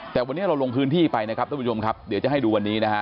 แต่วันนี้เราลงพื้นที่ไปนะครับท่านผู้ชมครับเดี๋ยวจะให้ดูวันนี้นะฮะ